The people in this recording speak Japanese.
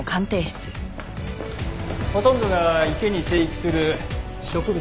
ほとんどが池に生育する植物でした。